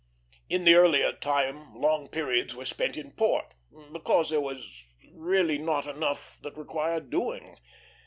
In the earlier time long periods were spent in port, because there really was not enough that required doing.